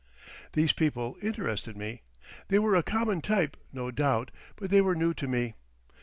These people interested me. They were a common type, no doubt, but they were new to me.